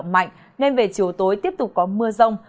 mạnh nên về chiều tối tiếp tục có mưa rông